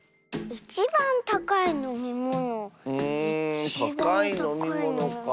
うんたかいのみものかあ。